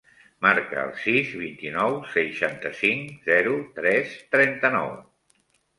Marca el sis, vint-i-nou, seixanta-cinc, zero, tres, trenta-nou.